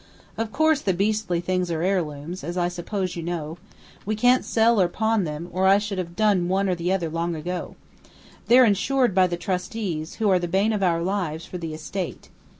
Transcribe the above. "Of course the beastly things are heirlooms, as I suppose you know. We can't sell or pawn them, or I should have done one or the other long ago. They're insured by the trustees, who are the bane of our lives, for the estate.